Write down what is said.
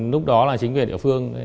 cơ quan lúc đó là chính quyền địa phương